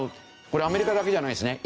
これアメリカだけじゃないですね。